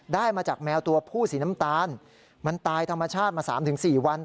ได้มาจากแมวตัวผู้สีน้ำตาลมันตายธรรมชาติมา๓๔วัน